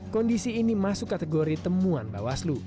kondisi ini masuk kategori temuan bawaslu